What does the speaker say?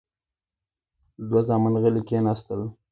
دوه زامن غلي کېناستل.